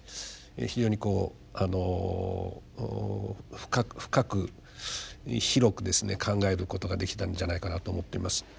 非常にこう深く広くですね考えることができたんじゃないかなと思っています。